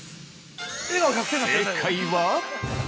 ◆正解は。